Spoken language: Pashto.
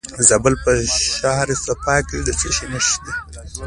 د زابل په شهر صفا کې د څه شي نښې دي؟